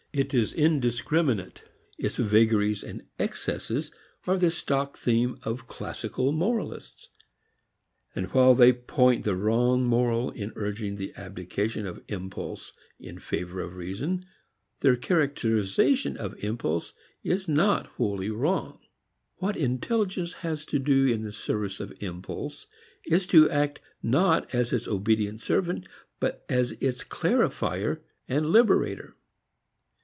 It is indiscriminate. Its vagaries and excesses are the stock theme of classical moralists; and while they point the wrong moral in urging the abdication of impulse in favor of reason, their characterization of impulse is not wholly wrong. What intelligence has to do in the service of impulse is to act not as its obedient servant but as its clarifier and liberator.